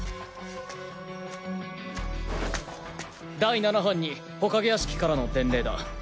第七班に火影屋敷からの伝令だ。